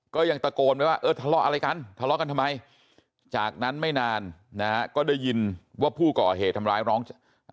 ก็ยังตะโกนไว้ว่าเออทะเลาะอะไรกันทะเลาะกันทำไมจากนั้นไม่นานนะฮะก็ได้ยินว่าผู้ก่อเหตุทำร้ายน้อง